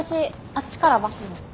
あっちからバス乗る。